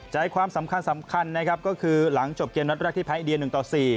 ใจความสำคัญนะครับก็คือหลังจบเกมนัดแรกที่แพ้อินเดีย๑ต่อ๔